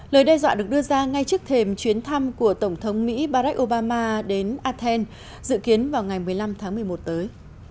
lời đe dọa được đưa ra ngay trước thềm chuyến thăm của tổng thống mỹ barack obama đến athens dự kiến vào ngày một mươi năm tháng một mươi một tới